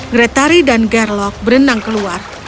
gretari dan gerlok berenang keluar